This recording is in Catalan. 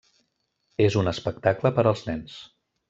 És un espectacle per als nens.